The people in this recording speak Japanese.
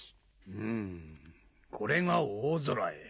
ふむこれが大空へ。